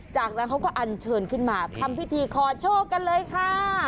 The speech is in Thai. จากนั้นเขาก็อันเชิญขึ้นมาทำพิธีขอโชคกันเลยค่ะ